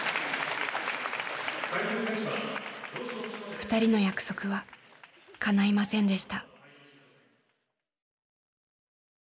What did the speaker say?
２人の約束はかないませんでした。